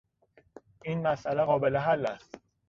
این مسئله قابل حل است.